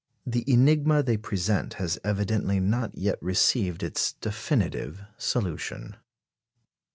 The enigma they present has evidently not yet received its definitive solution.